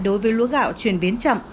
đối với lúa gạo chuyển biến chậm